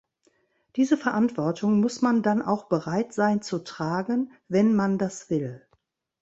Diese Verantwortung muss man dann auch bereit sein zu tragen, wenn man das will.